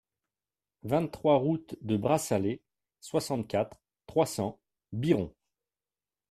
vingt-trois route de Brassalay, soixante-quatre, trois cents, Biron